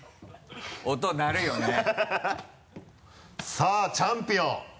さぁチャンピオン。